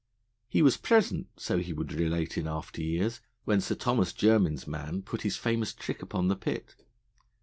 He was present, so he would relate in after years, when Sir Thomas Jermin's man put his famous trick upon the pit.